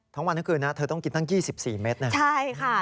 ทั้งวันทั้งคืนนะเธอต้องกินตั้ง๒๔เม็ดนะใช่ค่ะ